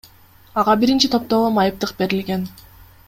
Ага биринчи топтогу майыптык берилген.